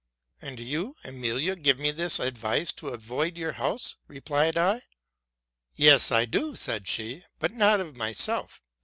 ''—'* And do you, Emilia, give me this advice, to avoid your house?'' replied I. '* Yes, I do,'' said she, '* but not of myself.